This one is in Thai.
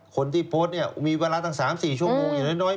คนที่โพสต์เนี่ยมีเวลาตั้ง๓๔ชั่วโมงอย่างน้อย